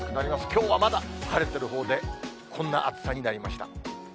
きょうはまだ晴れてるほうで、こんな暑さになりました。